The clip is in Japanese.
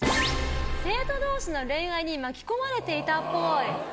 生徒同士の恋愛に巻き込まれていたっぽい。